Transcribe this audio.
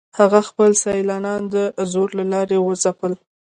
هغه خپل سیالان د زور له لارې وځپل.